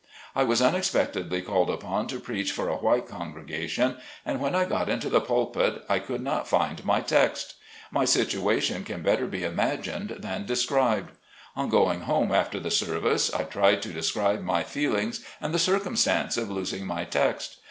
I was unexpectedly called upon to preach for a white congregation, and when I got into the pulpit I could not find my text. My situation can better be imagined than described. On going home after the service I tried to describe my feelings and the circumstance of losing my text.